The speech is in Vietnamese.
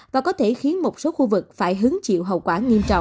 và có thể khiến một số khu vực phải hứng chịu hậu quả